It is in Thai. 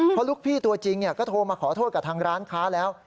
เพราะลูกพี่ตัวจริงก็โทรมาขอโทษกับทางร้านค้าแล้ว